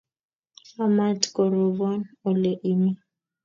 Amat korobon ole imi.